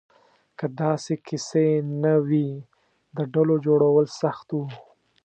که داسې کیسې نه وې، د ډلو جوړول سخت وو.